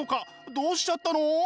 どうしちゃったの？